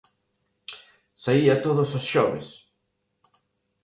Saía todos os xoves.